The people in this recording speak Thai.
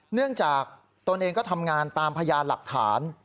เนื่องจากตนเองก็ทำงานตามพยานหลักฐาน